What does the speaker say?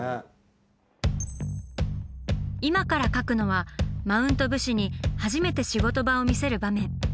今から描くのはマウント武士に初めて仕事場を見せる場面。